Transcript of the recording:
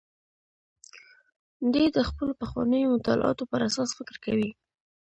دی د خپلو پخوانیو مطالعاتو پر اساس فکر کوي.